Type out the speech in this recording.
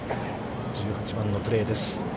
１８番のプレーです。